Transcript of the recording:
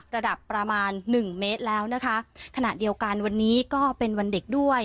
ระดับประมาณหนึ่งเมตรแล้วนะคะขณะเดียวกันวันนี้ก็เป็นวันเด็กด้วย